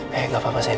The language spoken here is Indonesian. jangan panik ya na